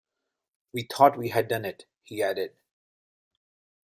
We thought we had done it, he added.